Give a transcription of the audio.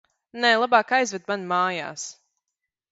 Nē, labāk aizved mani mājās.